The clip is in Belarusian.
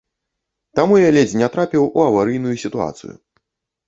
Таму я ледзь не трапіў у аварыйную сітуацыю.